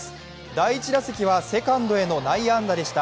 第１打席はセカンドへの内野安打でした。